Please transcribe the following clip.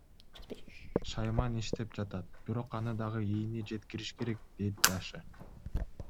Шайман иштеп жатат, бирок аны дагы ийине жеткириш керек, дейт Даша.